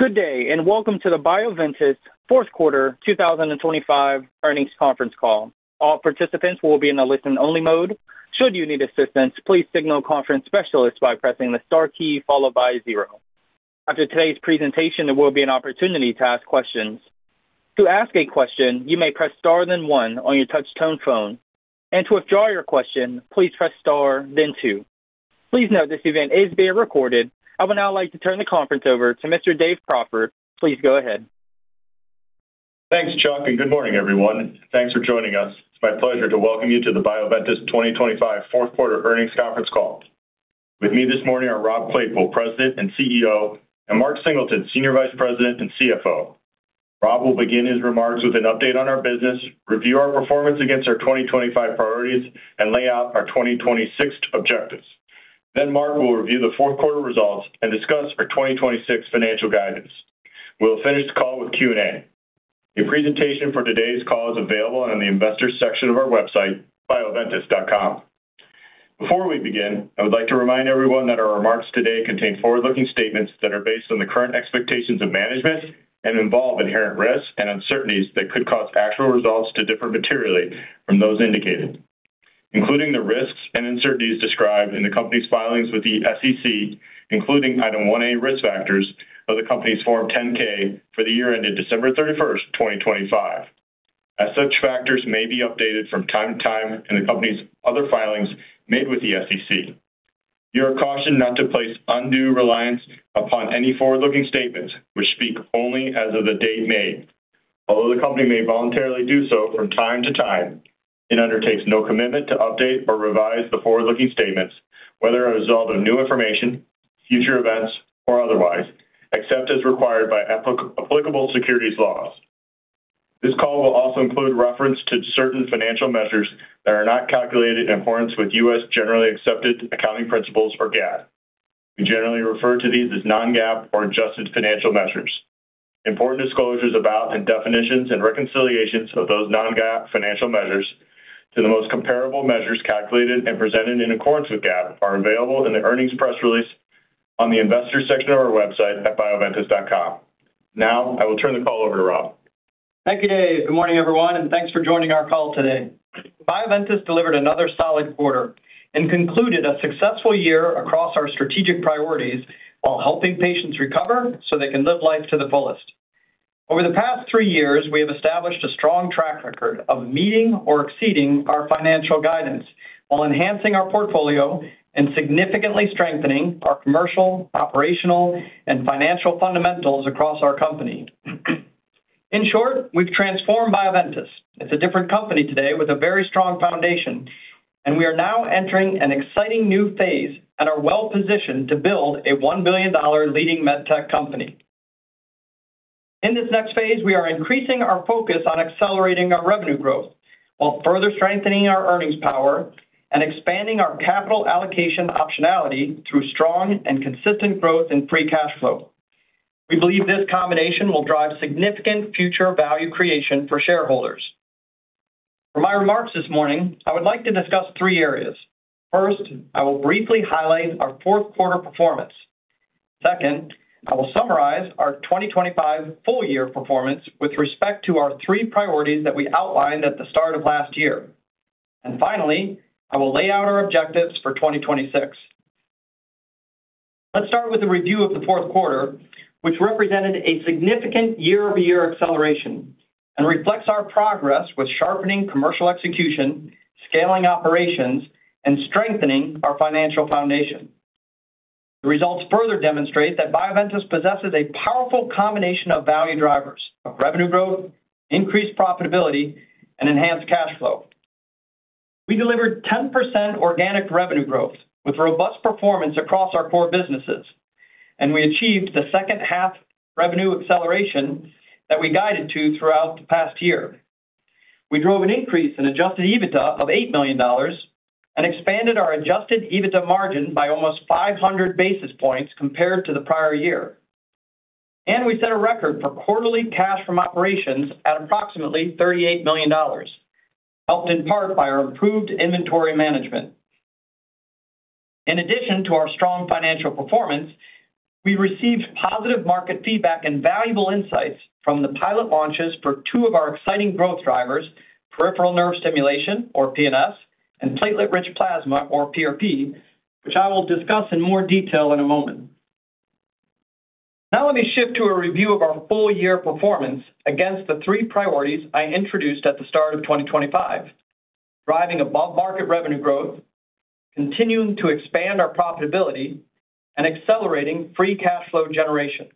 Good day, and welcome to the Bioventus Q4 2025 earnings conference call. All participants will be in a listen-only mode. Should you need assistance, please signal a conference specialist by pressing the star key followed by zero. After today's presentation, there will be an opportunity to ask questions. To ask a question, you may press star then one on your touch-tone phone. To withdraw your question, please press star then two. Please note this event is being recorded. I would now like to turn the conference over to Mr. Dave Crawford. Please go ahead. Thanks, Chuck. Good morning, everyone. Thanks for joining us. It's my pleasure to welcome you to the Bioventus 2025 Q4 earnings conference call. With me this morning are Rob Claypoole, President and Chief Executive Officer, and Mark Singleton, Senior Vice President and Chief Financial Officer. Rob will begin his remarks with an update on our business, review our performance against our 2025 priorities, and lay out our 2026 objectives. Mark will review the Q4 results and discuss our 2026 financial guidance. We'll finish the call with Q&A. A presentation for today's call is available on the Investors section of our website, bioventus.com. Before we begin, I would like to remind everyone that our remarks today contain forward-looking statements that are based on the current expectations of management and involve inherent risks and uncertainties that could cause actual results to differ materially from those indicated, including the risks and uncertainties described in the company's filings with the SEC, including Item 1A, Risk Factors, of the company's Form 10-K for the year ended December 31st, 2025. Such factors may be updated from time to time in the company's other filings made with the SEC. You are cautioned not to place undue reliance upon any forward-looking statements which speak only as of the date made. Although the company may voluntarily do so from time to time, it undertakes no commitment to update or revise the forward-looking statements, whether a result of new information, future events, or otherwise, except as required by applicable securities laws. This call will also include reference to certain financial measures that are not calculated in accordance with U.S. generally accepted accounting principles for GAAP. We generally refer to these as non-GAAP or adjusted financial measures. Important disclosures about and definitions and reconciliations of those non-GAAP financial measures to the most comparable measures calculated and presented in accordance with GAAP are available in the earnings press release on the Investors section of our website at bioventus.com. I will turn the call over to Rob. Thank you, Dave. Good morning, everyone, and thanks for joining our call today. Bioventus delivered another solid quarter and concluded a successful year across our strategic priorities while helping patients recover so they can live life to the fullest. Over the past three years, we have established a strong track record of meeting or exceeding our financial guidance while enhancing our portfolio and significantly strengthening our commercial, operational, and financial fundamentals across our company. In short, we've transformed Bioventus. It's a different company today with a very strong foundation, and we are now entering an exciting new phase and are well-positioned to build a 1 billion dollar leading med tech company. In this next phase, we are increasing our focus on accelerating our revenue growth while further strengthening our earnings power and expanding our capital allocation optionality through strong and consistent growth in free cash flow. We believe this combination will drive significant future value creation for shareholders. For my remarks this morning, I would like to discuss three areas. First, I will briefly highlight our Q4 performance. Second, I will summarize our 2025 full year performance with respect to our three priorities that we outlined at the start of last year. Finally, I will lay out our objectives for 2026. Let's start with a review of the Q4, which represented a significant year-over-year acceleration and reflects our progress with sharpening commercial execution, scaling operations, and strengthening our financial foundation. The results further demonstrate that Bioventus possesses a powerful combination of value drivers of revenue growth, increased profitability, and enhanced cash flow. We delivered 10% organic revenue growth with robust performance across our core businesses. We achieved the second half revenue acceleration that we guided to throughout the past year. We drove an increase in Adjusted EBITDA of $8 million and expanded our Adjusted EBITDA margin by almost 500 basis points compared to the prior year. We set a record for quarterly cash from operations at approximately $38 million, helped in part by our improved inventory management. In addition to our strong financial performance, we received positive market feedback and valuable insights from the pilot launches for two of our exciting growth drivers, peripheral nerve stimulation, or PNS, and platelet-rich plasma, or PRP, which I will discuss in more detail in a moment. Now let me shift to a review of our full year performance against the three priorities I introduced at the start of 2025, driving above-market revenue growth, continuing to expand our profitability, and accelerating free cash flow generation.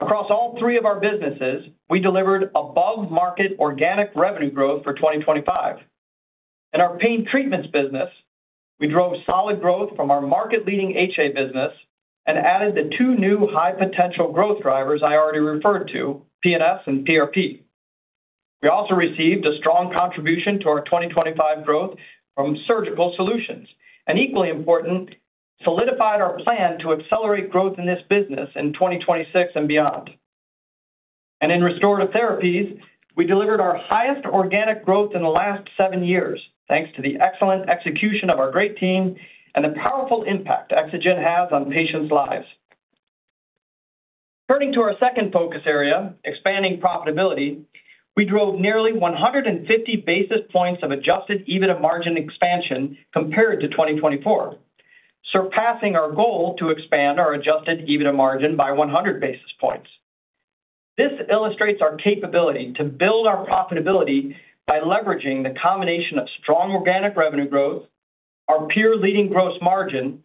Across all three of our businesses, we delivered above-market organic revenue growth for 2025. In our pain treatments business, we drove solid growth from our market-leading HA business and added the two new high-potential growth drivers I already referred to, PNS and PRP. We also received a strong contribution to our 2025 growth from surgical solutions, and equally important, solidified our plan to accelerate growth in this business in 2026 and beyond. In restorative therapies, we delivered our highest organic growth in the last seven years, thanks to the excellent execution of our great team and the powerful impact EXOGEN has on patients' lives. Turning to our second focus area, expanding profitability, we drove nearly 150 basis points of Adjusted EBITDA margin expansion compared to 2024, surpassing our goal to expand our adjusted EBITDA margin by 100 basis points. This illustrates our capability to build our profitability by leveraging the combination of strong organic revenue growth, our peer leading gross margin,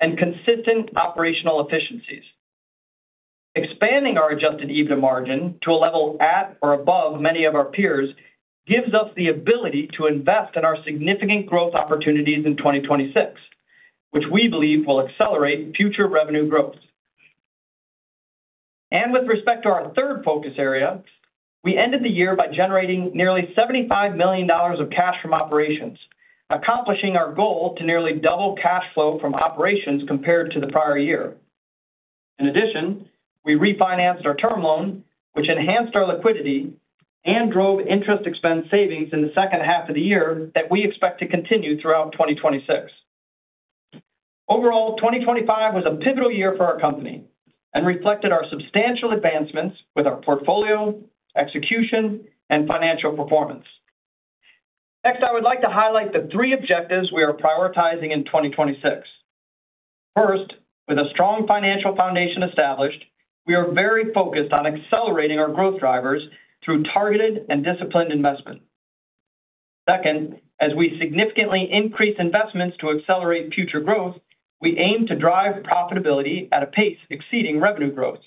and consistent operational efficiencies. Expanding our adjusted EBITDA margin to a level at or above many of our peers gives us the ability to invest in our significant growth opportunities in 2026, which we believe will accelerate future revenue growth. With respect to our third focus area, we ended the year by generating nearly $75 million of cash from operations, accomplishing our goal to nearly double cash flow from operations compared to the prior year. In addition, we refinanced our term loan, which enhanced our liquidity and drove interest expense savings in the second half of the year that we expect to continue throughout 2026. Overall, 2025 was a pivotal year for our company and reflected our substantial advancements with our portfolio, execution, and financial performance. Next, I would like to highlight the three objectives we are prioritizing in 2026. First, with a strong financial foundation established, we are very focused on accelerating our growth drivers through targeted and disciplined investment. Second, as we significantly increase investments to accelerate future growth, we aim to drive profitability at a pace exceeding revenue growth.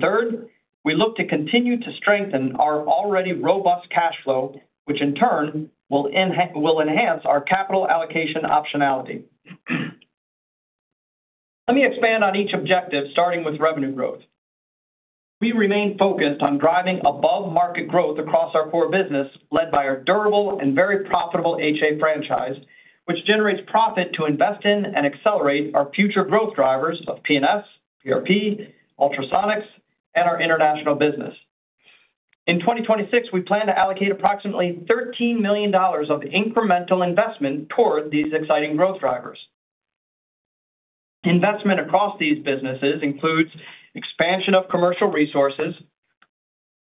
Third, we look to continue to strengthen our already robust cash flow, which in turn will enhance our capital allocation optionality. Let me expand on each objective, starting with revenue growth. We remain focused on driving above-market growth across our core business, led by our durable and very profitable HA franchise, which generates profit to invest in and accelerate our future growth drivers of PNS, PRP, Ultrasonics, and our international business. In 2026, we plan to allocate approximately $13 million of incremental investment toward these exciting growth drivers. Investment across these businesses includes expansion of commercial resources,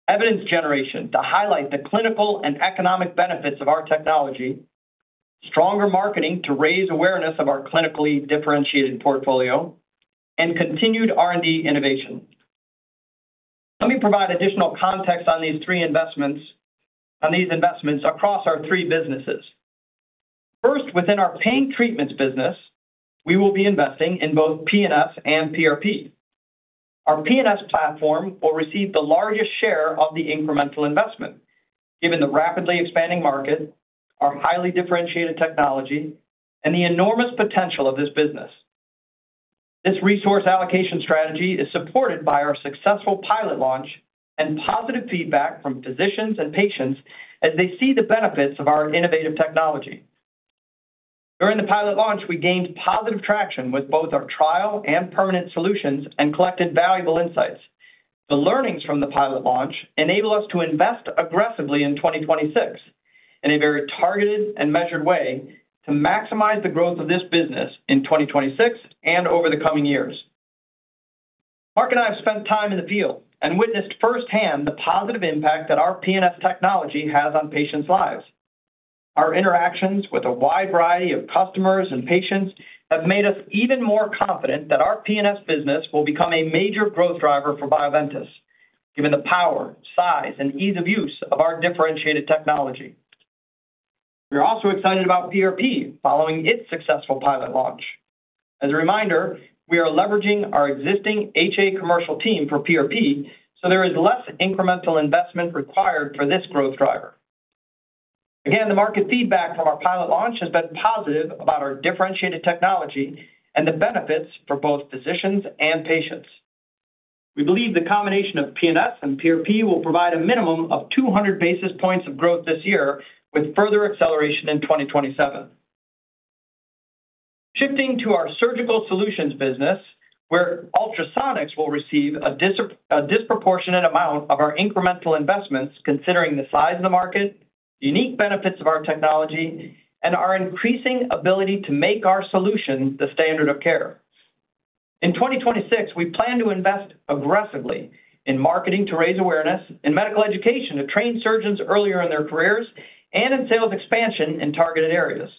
evidence generation to highlight the clinical and economic benefits of our technology, stronger marketing to raise awareness of our clinically differentiated portfolio, and continued R&D innovation. Let me provide additional context on these investments across our three businesses. First, within our pain treatments business, we will be investing in both PNS and PRP. Our PNS platform will receive the largest share of the incremental investment, given the rapidly expanding market, our highly differentiated technology, and the enormous potential of this business. This resource allocation strategy is supported by our successful pilot launch and positive feedback from physicians and patients as they see the benefits of our innovative technology. During the pilot launch, we gained positive traction with both our trial and permanent solutions and collected valuable insights. The learnings from the pilot launch enable us to invest aggressively in 2026 in a very targeted and measured way to maximize the growth of this business in 2026 and over the coming years. Mark and I have spent time in the field and witnessed firsthand the positive impact that our PNS technology has on patients' lives. Our interactions with a wide variety of customers and patients have made us even more confident that our PNS business will become a major growth driver for Bioventus, given the power, size, and ease of use of our differentiated technology. We're also excited about PRP following its successful pilot launch. As a reminder, we are leveraging our existing HA commercial team for PRP, so there is less incremental investment required for this growth driver. Again, the market feedback from our pilot launch has been positive about our differentiated technology and the benefits for both physicians and patients. We believe the combination of PNS and PRP will provide a minimum of 200 basis points of growth this year, with further acceleration in 2027. Shifting to our surgical solutions business, where Ultrasonics will receive a disproportionate amount of our incremental investments considering the size of the market, unique benefits of our technology, and our increasing ability to make our solution the standard of care. In 2026, we plan to invest aggressively in marketing to raise awareness, in medical education to train surgeons earlier in their careers, and in sales expansion in targeted areas.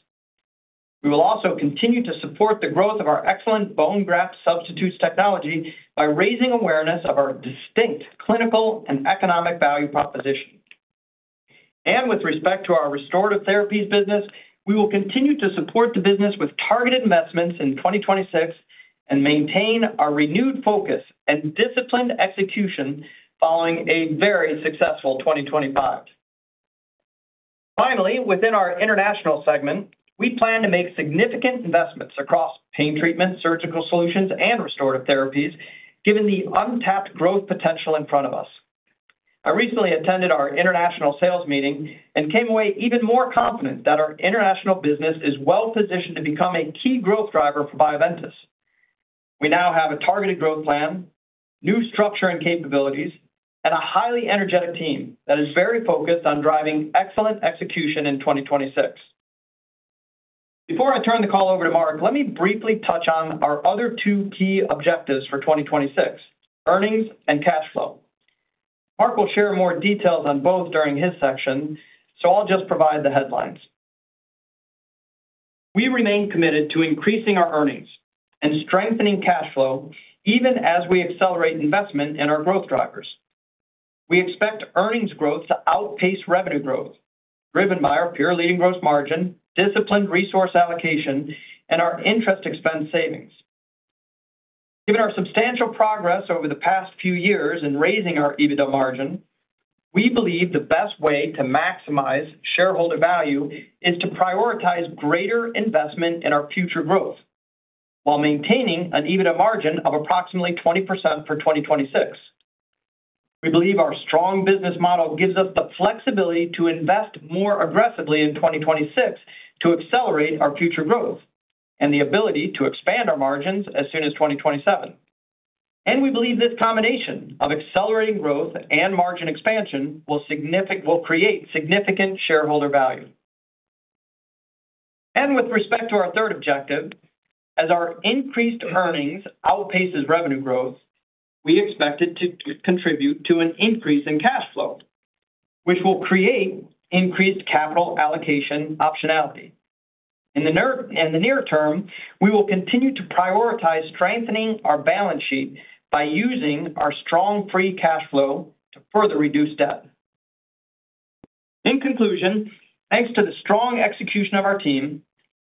We will also continue to support the growth of our excellent bone graft substitutes technology by raising awareness of our distinct clinical and economic value proposition. With respect to our restorative therapies business, we will continue to support the business with targeted investments in 2026 and maintain our renewed focus and disciplined execution following a very successful 2025. Finally, within our international segment, we plan to make significant investments across pain treatment, surgical solutions, and restorative therapies, given the untapped growth potential in front of us. I recently attended our international sales meeting and came away even more confident that our international business is well-positioned to become a key growth driver for Bioventus. We now have a targeted growth plan, new structure and capabilities, and a highly energetic team that is very focused on driving excellent execution in 2026. Before I turn the call over to Mark, let me briefly touch on our other two key objectives for 2026, earnings and cash flow. Mark will share more details on both during his section, so I'll just provide the headlines. We remain committed to increasing our earnings and strengthening cash flow even as we accelerate investment in our growth drivers. We expect earnings growth to outpace revenue growth, driven by our pure leading gross margin, disciplined resource allocation, and our interest expense savings. Given our substantial progress over the past few years in raising our EBITDA margin, we believe the best way to maximize shareholder value is to prioritize greater investment in our future growth while maintaining an EBITDA margin of approximately 20% for 2026. We believe our strong business model gives us the flexibility to invest more aggressively in 2026 to accelerate our future growth and the ability to expand our margins as soon as 2027. We believe this combination of accelerating growth and margin expansion will create significant shareholder value. With respect to our third objective, as our increased earnings outpaces revenue growth, we expect it to contribute to an increase in cash flow, which will create increased capital allocation optionality. In the near term, we will continue to prioritize strengthening our balance sheet by using our strong free cash flow to further reduce debt. In conclusion, thanks to the strong execution of our team,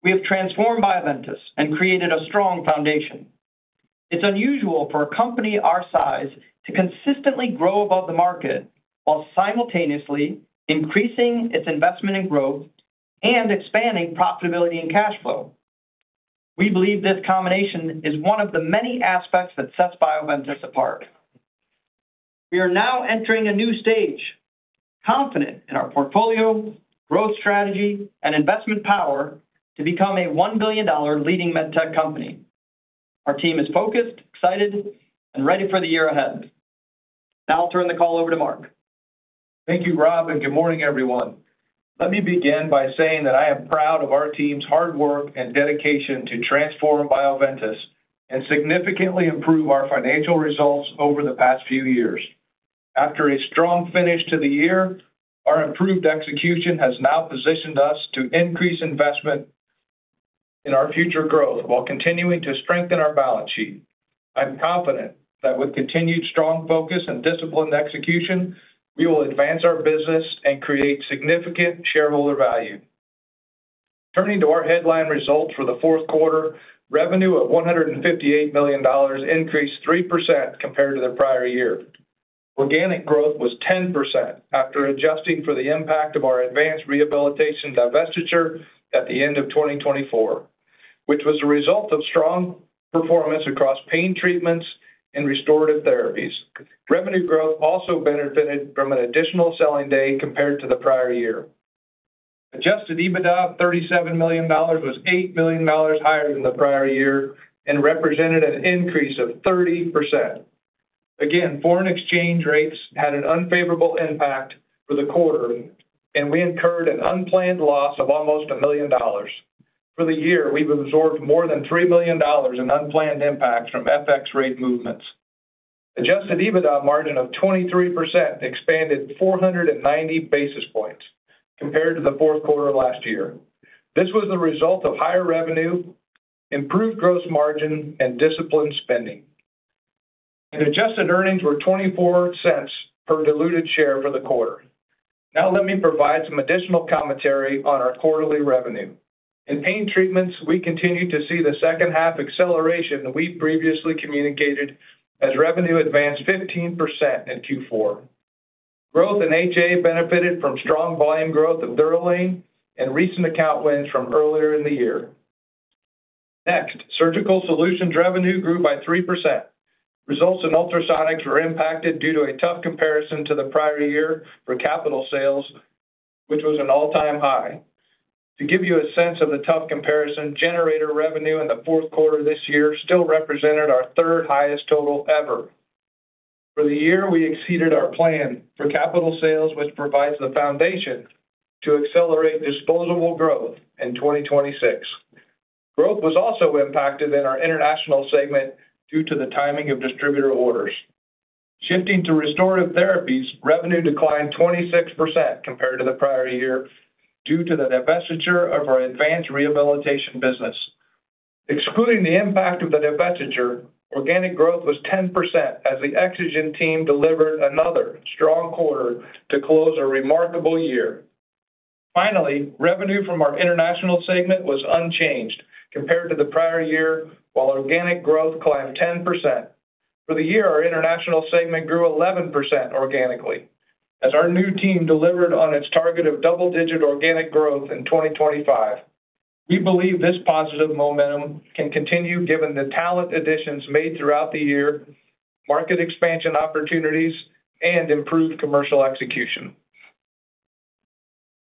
we have transformed Bioventus and created a strong foundation. It's unusual for a company our size to consistently grow above the market while simultaneously increasing its investment in growth and expanding profitability and cash flow. We believe this combination is one of the many aspects that sets Bioventus apart. We are now entering a new stage, confident in our portfolio, growth strategy, and investment power to become a $1 billion leading med tech company. Our team is focused, excited, and ready for the year ahead. I'll turn the call over to Mark. Thank you, Rob. Good morning, everyone. Let me begin by saying that I am proud of our team's hard work and dedication to transform Bioventus and significantly improve our financial results over the past few years. After a strong finish to the year, our improved execution has now positioned us to increase investment in our future growth while continuing to strengthen our balance sheet. I'm confident that with continued strong focus and disciplined execution, we will advance our business and create significant shareholder value. Turning to our headline results for the Q4, revenue of $158 million increased 3% compared to the prior year. Organic growth was 10% after adjusting for the impact of our Advanced Rehabilitation divestiture at the end of 2024, which was a result of strong performance across pain treatments and restorative therapies. Revenue growth also benefited from an additional selling day compared to the prior year. Adjusted EBITDA of $37 million was $8 million higher than the prior year and represented an increase of 30%. Foreign exchange rates had an unfavorable impact for the quarter, and we incurred an unplanned loss of almost $1 million. For the year, we've absorbed more than $3 million in unplanned impacts from FX rate movements. Adjusted EBITDA margin of 23% expanded 490 basis points compared to the Q4 last year. This was the result of higher revenue, improved gross margin, and disciplined spending. Adjusted earnings were $0.24 per diluted share for the quarter. Let me provide some additional commentary on our quarterly revenue. In pain treatments, we continue to see the second-half acceleration that we previously communicated as revenue advanced 15% in Q4. Growth in HA benefited from strong volume growth of DUROLANE and recent account wins from earlier in the year. Surgical solutions revenue grew by 3%. Results in Ultrasonics were impacted due to a tough comparison to the prior year for capital sales, which was an all-time high. To give you a sense of the tough comparison, generator revenue in the Q4 this year still represented our third-highest total ever. For the year, we exceeded our plan for capital sales, which provides the foundation to accelerate disposable growth in 2026. Growth was also impacted in our international segment due to the timing of distributor orders. Shifting to restorative therapies, revenue declined 26% compared to the prior year due to the divestiture of our Advanced Rehabilitation business. Excluding the impact of the divestiture, organic growth was 10% as the EXOGEN team delivered another strong quarter to close a remarkable year. Revenue from our international segment was unchanged compared to the prior year, while organic growth climbed 10%. For the year, our international segment grew 11% organically as our new team delivered on its target of double-digit organic growth in 2025. We believe this positive momentum can continue given the talent additions made throughout the year, market expansion opportunities, and improved commercial execution.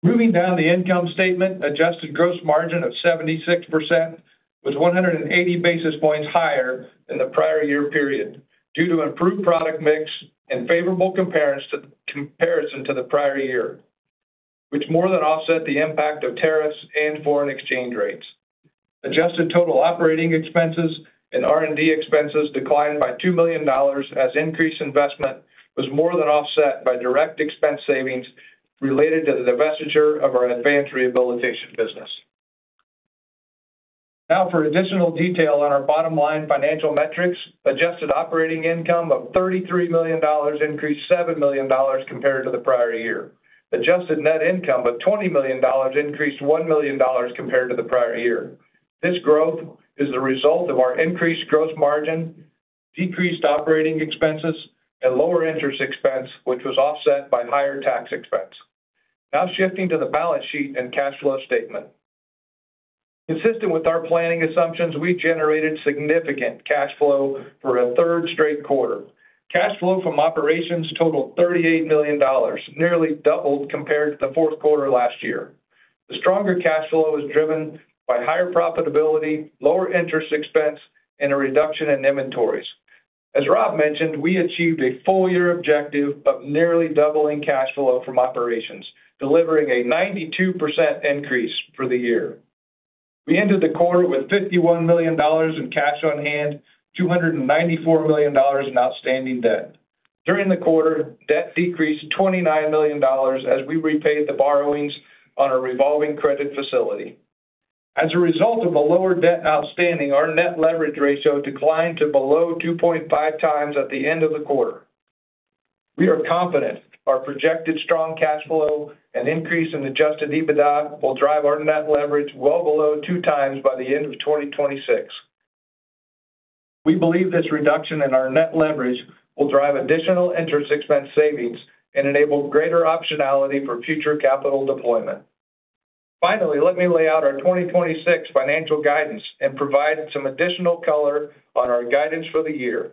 Moving down the income statement, Adjusted gross margin of 76% was 180 basis points higher than the prior year period due to improved product mix and favorable comparison to the prior year, which more than offset the impact of tariffs and foreign exchange rates. Adjusted total operating expenses and R&D expenses declined by $2 million as increased investment was more than offset by direct expense savings related to the divestiture of our Advanced Rehabilitation business. Now for additional detail on our bottom-line financial metrics. Adjusted operating income of $33 million increased $7 million compared to the prior year. Adjusted net income of $20 million increased $1 million compared to the prior year. This growth is the result of our increased gross margin, decreased operating expenses, and lower interest expense, which was offset by higher tax expense. Shifting to the balance sheet and cash flow statement. Consistent with our planning assumptions, we generated significant cash flow for a third straight quarter. Cash flow from operations totaled $38 million, nearly doubled compared to the Q4 last year. The stronger cash flow was driven by higher profitability, lower interest expense, and a reduction in inventories. As Rob mentioned, we achieved a full year objective of nearly doubling cash flow from operations, delivering a 92% increase for the year. We ended the quarter with $51 million in cash on hand, $294 million in outstanding debt. During the quarter, debt decreased $29 million as we repaid the borrowings on our revolving credit facility. As a result of a lower debt outstanding, our net leverage ratio declined to below 2.5x at the end of the quarter. We are confident our projected strong cash flow and increase in Adjusted EBITDA will drive our net leverage well below 2x by the end of 2026. We believe this reduction in our net leverage will drive additional interest expense savings and enable greater optionality for future capital deployment. Finally, let me lay out our 2026 financial guidance and provide some additional color on our guidance for the year.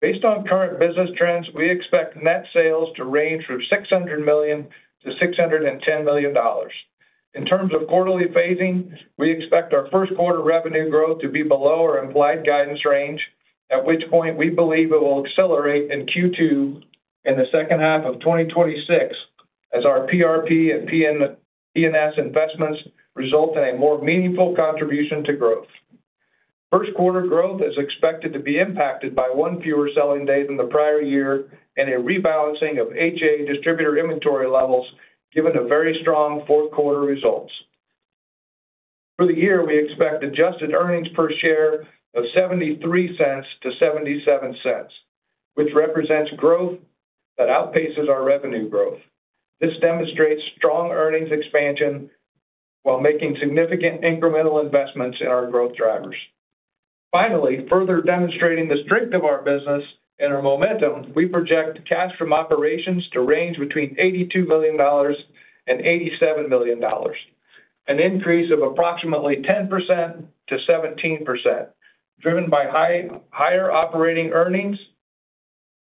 Based on current business trends, we expect net sales to range from $600 million-$610 million. In terms of quarterly phasing, we expect our Q1 revenue growth to be below our implied guidance range, at which point we believe it will accelerate in Q2 in the second half of 2026 as our PRP and PNS investments result in a more meaningful contribution to growth. Q1 growth is expected to be impacted by one fewer selling day than the prior year and a rebalancing of HA distributor inventory levels given the very strong Q4 results. For the year, we expect adjusted earnings per share of $0.73-$0.77, which represents growth that outpaces our revenue growth. This demonstrates strong earnings expansion while making significant incremental investments in our growth drivers. Finally, further demonstrating the strength of our business and our momentum, we project cash from operations to range between $82 million and $87 million, an increase of approximately 10%-17%, driven by higher operating earnings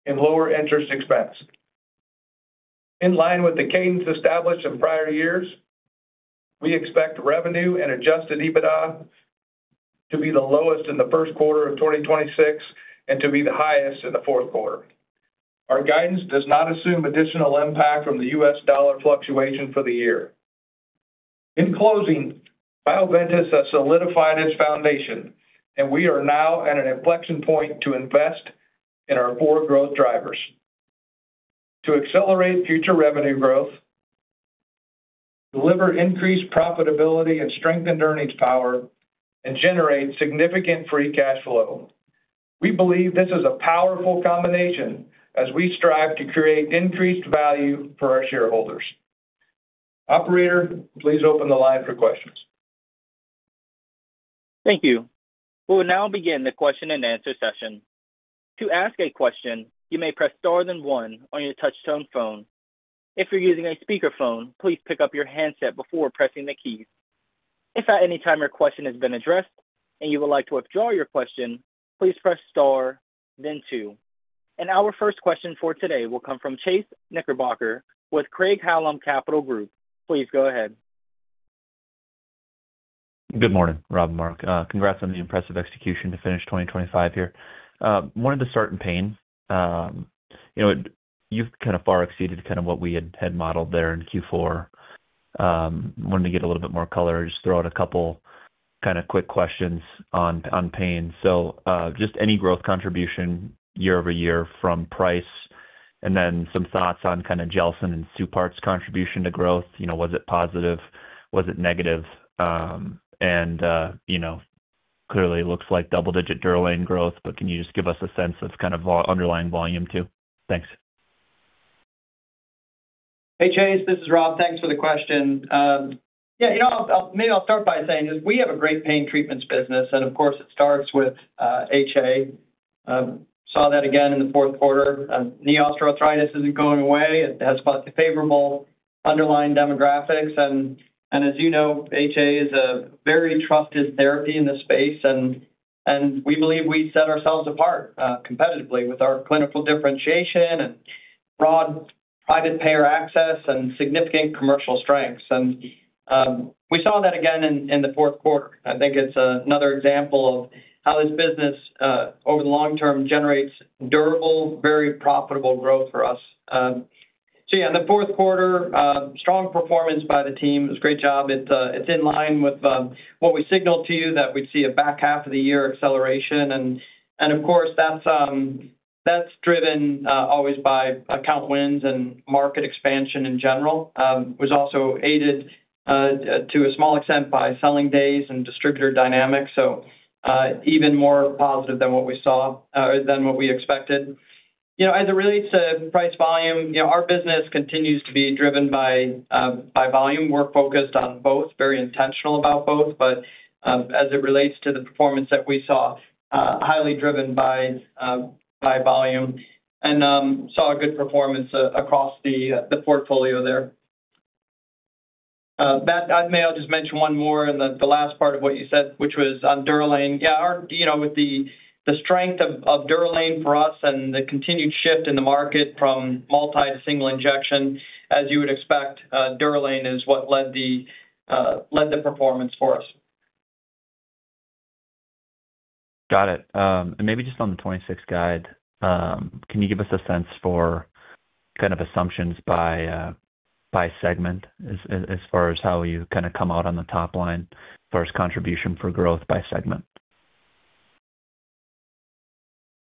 and lower interest expense. In line with the cadence established in prior years, we expect revenue and adjusted EBITDA to be the lowest in the Q1 of 2026 and to be the highest in the Q4. Our guidance does not assume additional impact from the U.S. dollar fluctuation for the year. In closing, Bioventus has solidified its foundation, and we are now at an inflection point to invest in our four growth drivers to accelerate future revenue growth, deliver increased profitability and strengthened earnings power, and generate significant free cash flow. We believe this is a powerful combination as we strive to create increased value for our shareholders. Operator, please open the line for questions. Thank you. We will now begin the question-and-answer session. To ask a question, you may press star then one on your touch-tone phone. If you're using a speakerphone, please pick up your handset before pressing the key. If at any time your question has been addressed and you would like to withdraw your question, please press star then two. Our first question for today will come from Chase Knickerbocker with Craig-Hallum Capital Group. Please go ahead. Good morning, Rob and Mark. Congrats on the impressive execution to finish 2025 here. Wanted to start in pain. You know, you've kind of far exceeded kind of what we had modeled there in Q4. Wanted to get a little bit more color. Just throw out a couple kind of quick questions on pain. Just any growth contribution year-over-year from price, and then some thoughts on kind of GELSYN-3 and SUPARTZ FX contribution to growth. You know, was it positive? Was it negative? You know, clearly it looks like double-digit DUROLANE growth, but can you just give us a sense of kind of underlying volume too? Thanks. Hey, Chase, this is Rob. Thanks for the question. Yeah, you know, maybe I'll start by saying this. We have a great pain treatments business, and of course, it starts with HA. Saw that again in the Q4. Knee osteoarthritis isn't going away. It has favorable underlying demographics and, as you know, HA is a very trusted therapy in this space. We believe we set ourselves apart competitively with our clinical differentiation and broad private payer access and significant commercial strengths. We saw that again in the Q4. I think it's another example of how this business over the long term generates durable, very profitable growth for us. Yeah, in the Q4, strong performance by the team. It was a great job. It's in line with what we signaled to you that we'd see a back half of the year acceleration. Of course, that's driven always by account wins and market expansion in general. was also aided to a small extent by selling days and distributor dynamics. Even more positive than what we saw or than what we expected. You know, as it relates to price volume, you know, our business continues to be driven by volume. We're focused on both, very intentional about both. As it relates to the performance that we saw, highly driven by volume, and saw a good performance across the portfolio there. Matt, I may just mention one more in the last part of what you said, which was on DUROLANE. Yeah, our, you know, with the strength of DUROLANE for us and the continued shift in the market from multi to single injection, as you would expect, DUROLANE is what led the performance for us. Got it. Maybe just on the 2026 guide, can you give us a sense for kind of assumptions by segment as far as how you kind of come out on the top line versus contribution for growth by segment?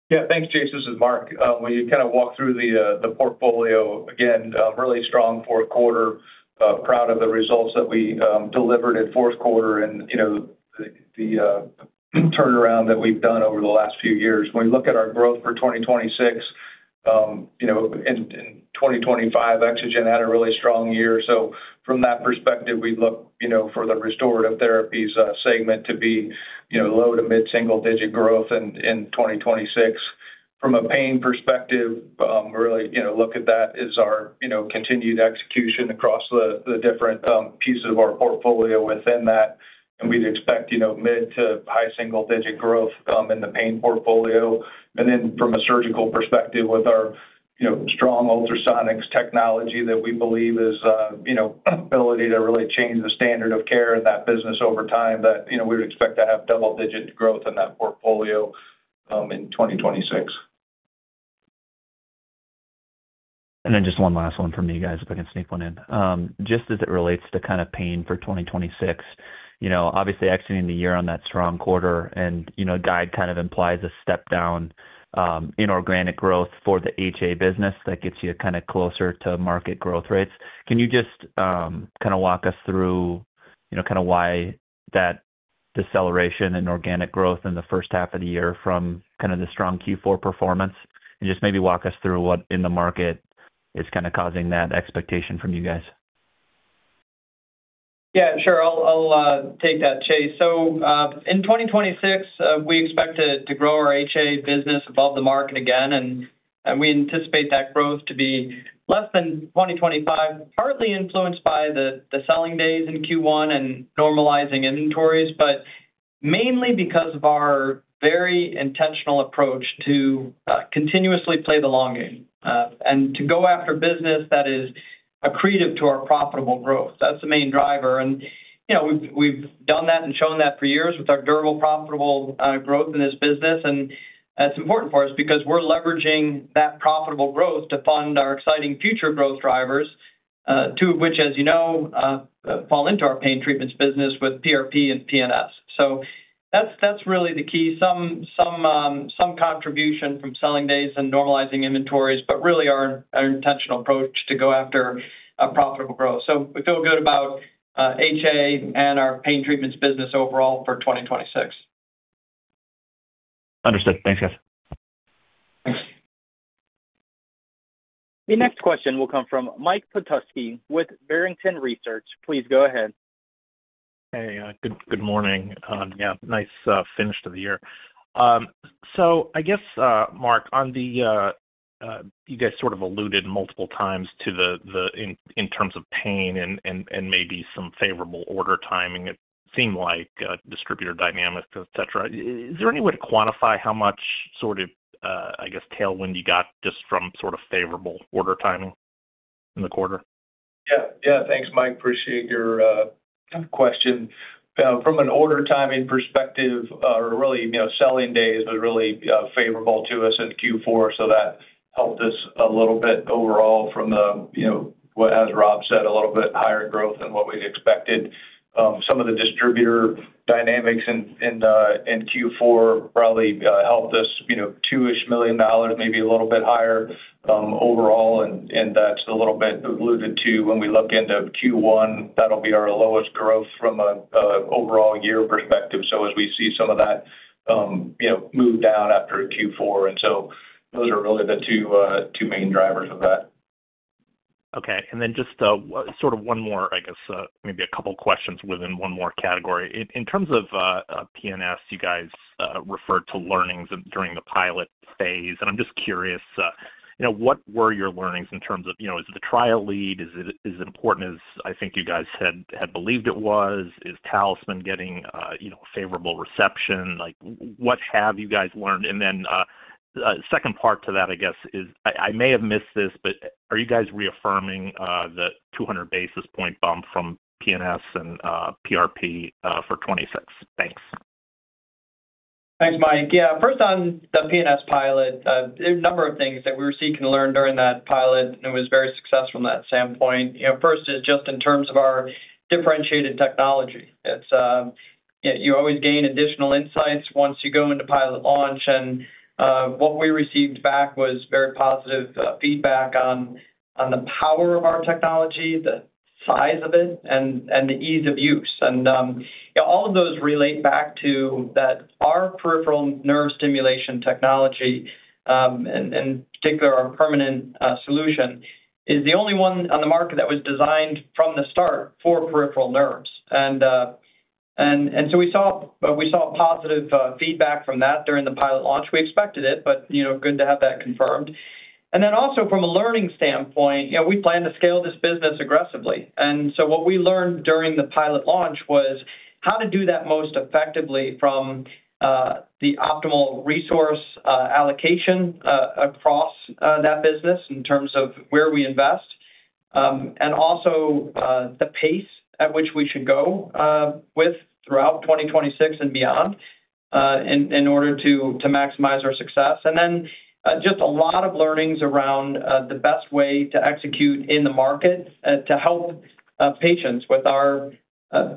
Yeah. Thanks, Chase. This is Mark. When you kind of walk through the portfolio again, really strong Q4. Proud of the results that we delivered in Q4 and, you know, the turnaround that we've done over the last few years. When we look at our growth for 2026, you know, in 2025, EXOGEN had a really strong year. From that perspective, we look, you know, for the restorative therapies segment to be, you know, low to mid-single digit growth in 2026. From a pain perspective, really, you know, look at that as our, you know, continued execution across the different pieces of our portfolio within that. We'd expect, you know, mid to high single digit growth in the pain portfolio. From a surgical perspective with our, you know, strong Ultrasonics technology that we believe is, you know, ability to really change the standard of care in that business over time, that, you know, we would expect to have double-digit growth in that portfolio, in 2026. Just one last 1 from you guys, if I can sneak one in. Just as it relates to kind of pain for 2026, you know, obviously exiting the year on that strong quarter and, you know, guide kind of implies a step down, inorganic growth for the HA business that gets you kind of closer to market growth rates. Can you just, kind of walk us through, you know, kind of why that deceleration in organic growth in the first half of the year from kind of the strong Q4 performance? Just maybe walk us through what in the market is kind of causing that expectation from you guys. Yeah, sure. I'll take that, Chase. In 2026, we expect to grow our HA business above the market again, and we anticipate that growth to be less than 2025, partly influenced by the selling days in Q1 and normalizing inventories, but mainly because of our very intentional approach to continuously play the long game and to go after business that is accretive to our profitable growth. That's the main driver. You know, we've done that and shown that for years with our durable, profitable growth in this business. That's important for us because we're leveraging that profitable growth to fund our exciting future growth drivers, two of which, as you know, fall into our pain treatments business with PRP and PNS. That's really the key. Some contribution from selling days and normalizing inventories, really our intentional approach to go after profitable growth. We feel good about HA and our pain treatments business overall for 2026. Understood. Thanks, guys. Thanks. The next question will come from Michael Petusky with Barrington Research. Please go ahead. Hey, good morning. Yeah, nice finish to the year. I guess, Mark, on the, you guys sort of alluded multiple times to the in terms of pain and maybe some favorable order timing, it seemed like distributor dynamics, et cetera. Is there any way to quantify how much sort of, I guess, tailwind you got just from sort of favorable order timing in the quarter? Yeah. Yeah. Thanks, Mike. Appreciate your question. From an order timing perspective, really, you know, selling days was really favorable to us in Q4, so that helped us a little bit overall from the, you know, what as Rob said, a little bit higher growth than what we expected. Some of the distributor dynamics in Q4 probably helped us, you know, $2-ish million dollars, maybe a little bit higher, overall. That's a little bit alluded to when we look into Q1. That'll be our lowest growth from an overall year perspective. As we see some of that, you know, move down after Q4. Those are really the two main drivers of that. st sort of one more, I guess, maybe a couple questions within one more category. In terms of PNS, you guys referred to learnings during the pilot phase, and I'm just curious, you know, what were your learnings in terms of, you know, is the trial lead, is it, is it important as I think you guys had believed it was? Is TalisMann getting, you know, favorable reception? Like, what have you guys learned? And then second part to that, I guess, is I may have missed this, but are you guys reaffirming the 200 basis point bump from PNS and PRP for 2026? Thanks. Thanks, Mike. Yeah, first on the PNS pilot, there are a number of things that we were seeking to learn during that pilot. It was very successful from that standpoint. You know, first is just in terms of our differentiated technology. It's. You know, you always gain additional insights once you go into pilot launch. What we received back was very positive feedback on the power of our technology, the size of it, and the ease of use. You know, all of those relate back to that our peripheral nerve stimulation technology and in particular our permanent solution, is the only one on the market that was designed from the start for peripheral nerves. So we saw positive feedback from that during the pilot launch. We expected it, but, you know, good to have that confirmed. Also from a learning standpoint, you know, we plan to scale this business aggressively. What we learned during the pilot launch was how to do that most effectively from the optimal resource allocation across that business in terms of where we invest. Also the pace at which we should go with throughout 2026 and beyond in order to maximize our success. Just a lot of learnings around the best way to execute in the market to help patients with our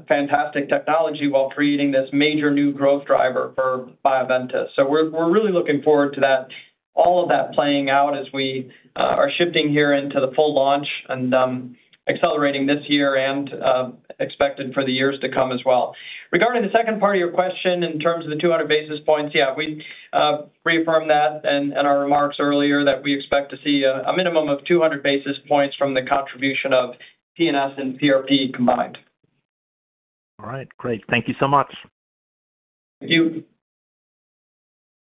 fantastic technology while creating this major new growth driver for Bioventus. We're really looking forward to that, all of that playing out as we are shifting here into the full launch and accelerating this year and expected for the years to come as well. Regarding the second part of your question in terms of the 200 basis points, yeah, we reaffirmed that and, in our remarks earlier that we expect to see a minimum of 200 basis points from the contribution of PNS and PRP combined. All right. Great. Thank you so much. Thank you.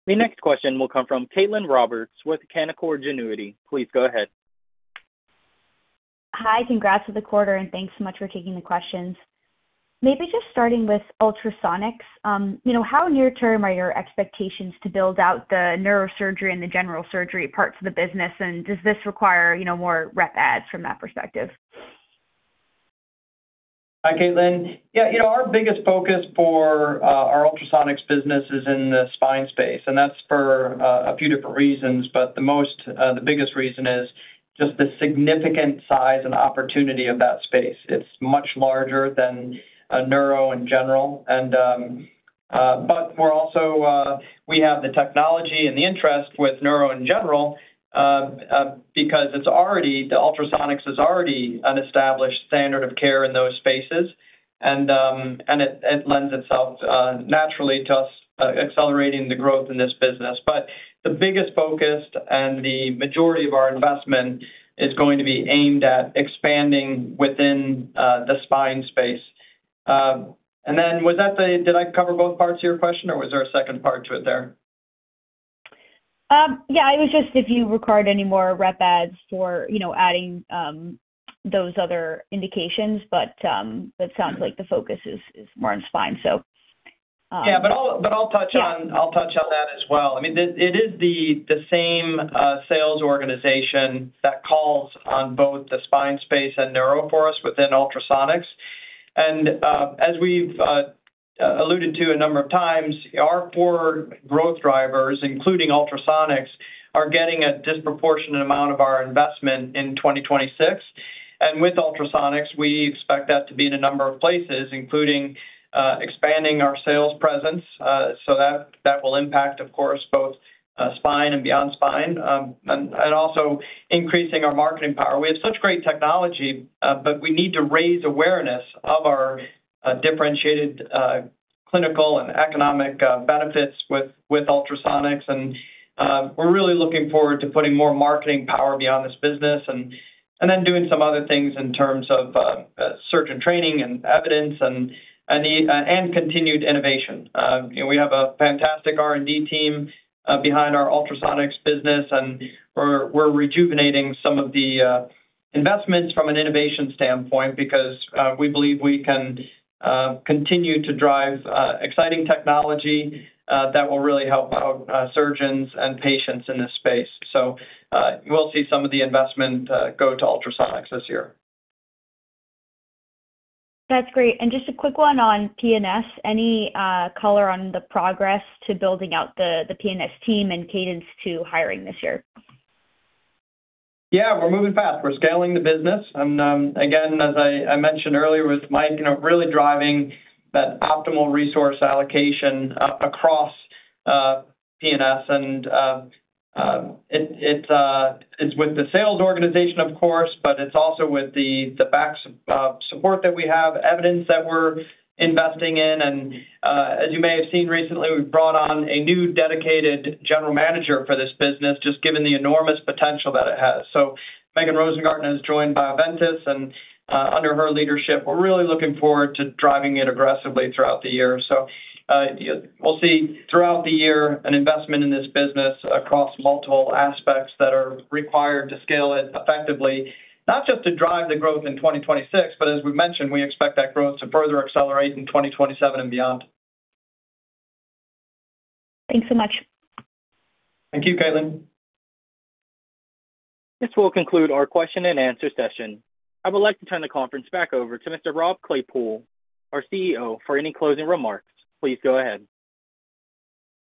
The next question will come from Caitlin Cronin with Canaccord Genuity. Please go ahead. Hi. Congrats for the quarter, thanks so much for taking the questions. Maybe just starting with Ultrasonics. You know, how near-term are your expectations to build out the neurosurgery and the general surgery parts of the business? Does this require, you know, more rep adds from that perspective? Hi, Caitlin. Yeah, you know, our biggest focus for our Ultrasonics business is in the spine space. That's for a few different reasons. The biggest reason is just the significant size and opportunity of that space. It's much larger than neuro in general. We're also we have the technology and the interest with neuro in general because the Ultrasonics is already an established standard of care in those spaces. It lends itself naturally to us accelerating the growth in this business. The biggest focus and the majority of our investment is going to be aimed at expanding within the spine space. Did I cover both parts of your question, or was there a second part to it there? It was just if you required any more rep adds for, you know, adding, those other indications, but it sounds like the focus is more on spine, so. Yeah. I'll touch on- Yeah. I'll touch on that as well. I mean, it is the same sales organization that calls on both the spine space and neuro forest within Ultrasonics. As we've alluded to a number of times, our four growth drivers, including Ultrasonics, are getting a disproportionate amount of our investment in 2026. With Ultrasonics, we expect that to be in a number of places, including expanding our sales presence. That will impact, of course, both spine and beyond spine. Also increasing our marketing power. We have such great technology, but we need to raise awareness of our differentiated clinical and economic benefits with Ultrasonics. We're really looking forward to putting more marketing power beyond this business and then doing some other things in terms of surgeon training and evidence and continued innovation. You know, we have a fantastic R&D team behind our Ultrasonics business, and we're rejuvenating some of the investments from an innovation standpoint because we believe we can continue to drive exciting technology that will really help out surgeons and patients in this space. We'll see some of the investment go to Ultrasonics this year. That's great. Just a quick one on PNS. Any color on the progress to building out the PNS team and cadence to hiring this year? Yeah, we're moving fast. We're scaling the business. Again, as I mentioned earlier with Mike, you know, really driving that optimal resource allocation across PNS. It's with the sales organization, of course, but it's also with the backs of support that we have, evidence that we're investing in. As you may have seen recently, we've brought on a new dedicated general manager for this business, just given the enormous potential that it has. Megan Rosengarten has joined Bioventus, and under her leadership, we're really looking forward to driving it aggressively throughout the year. We'll see throughout the year an investment in this business across multiple aspects that are required to scale it effectively, not just to drive the growth in 2026, but as we mentioned, we expect that growth to further accelerate in 2027 and beyond. Thanks so much. Thank you, Caitlin. This will conclude our question and answer session. I would like to turn the conference back over to Mr. Rob Claypoole, our Chief Executive Officer, for any closing remarks. Please go ahead.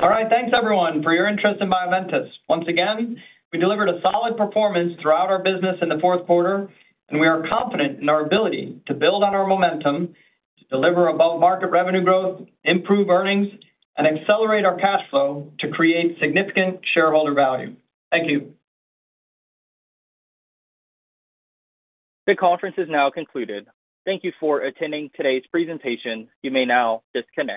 All right. Thanks, everyone, for your interest in Bioventus. Once again, we delivered a solid performance throughout our business in the Q4, and we are confident in our ability to build on our momentum, to deliver above-market revenue growth, improve earnings, and accelerate our cash flow to create significant shareholder value. Thank you. This conference is now concluded. Thank you for attending today's presentation. You may now disconnect.